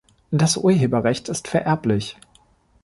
Das Urheberrecht ist vererblich.